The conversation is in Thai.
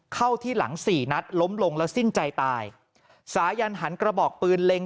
เข้าที่หลังสี่นัดล้มลงแล้วสิ้นใจตายสายันหันกระบอกปืนเล็ง